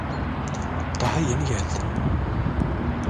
Daha yeni geldi.